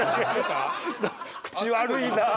口悪いなあ。